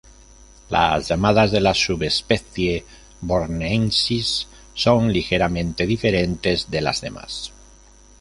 Las llamadas de la subespecie "borneensis" son ligeramente diferentes de las demás.